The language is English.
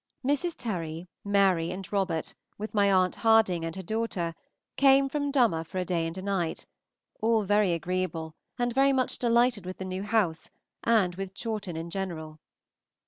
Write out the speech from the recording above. Mrs. Terry, Mary, and Robert, with my aunt Harding and her daughter, came from Dummer for a day and a night, all very agreeable and very much delighted with the new house and with Chawton in general.